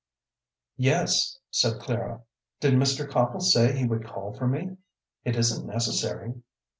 "Yes," said Clara. "Did Mr. Copple say he would call for me? It isn't necessary."